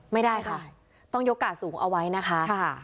ไม่ได้ค่ะต้องยกกาสูงเอาไว้นะคะ